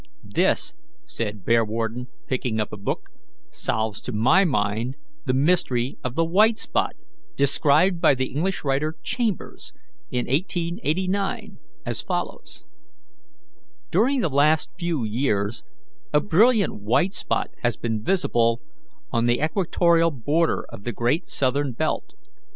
"This," said Bearwarden, picking up a book, "solves to my mind the mystery of the white spot described by the English writer Chambers, in 1889, as follows: "'During the last few years a brilliant white spot has been visible on the equatorial border of the great southern belt.